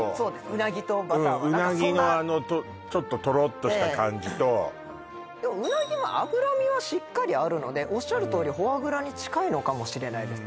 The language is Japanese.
うなぎとバターはうなぎのちょっとトロッとした感じとでもうなぎは脂身はしっかりあるのでおっしゃるとおりフォアグラに近いのかもしれないです